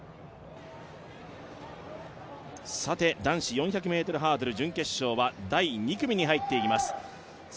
男子４００ｍハードル準決勝は第２組に入っています。